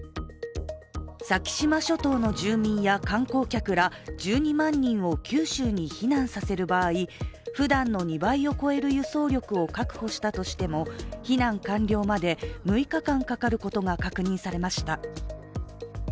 先島諸島の住民や観光客ら１２万人を九州に避難させる場合ふだんの２倍を超える輸送力を確保したとしても、避難完了まで６日間かかることが確認されました。